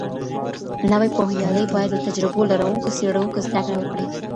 نوی پوهیالی باید له تجربه لرونکو څېړونکو زده کړه وکړي.